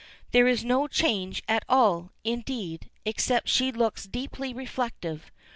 There is no change at all, indeed, except she looks deeply reflective.